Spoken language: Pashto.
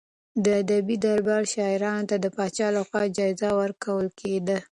د ادبي دربار شاعرانو ته د پاچا لخوا جايزې ورکول کېدې.